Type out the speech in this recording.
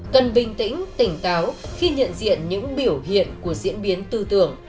cần bình tĩnh tỉnh táo khi nhận diện những biểu hiện của diễn biến tư tưởng